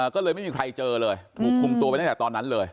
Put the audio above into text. ก็เลยไม่มีใครเจอเลยถูกคุมตัวไปตั้งแต่ตอนนั้นเลย